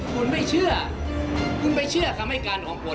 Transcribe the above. คุณไม่เชื่อคุณไปเชื่อคำให้การของคน